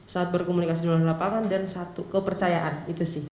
saat berkomunikasi dengan lapangan dan satu kepercayaan itu sih